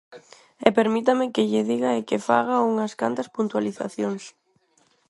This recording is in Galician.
E permítame que lle diga e que faga unhas cantas puntualizacións.